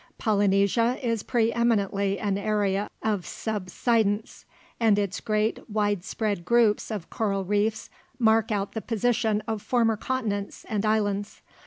Polynesia is pre eminently an area of subsidence, and its great widespread groups of coral reefs mark out the position of former continents and islands.